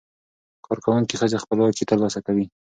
کارکوونکې ښځې خپلواکي ترلاسه کوي.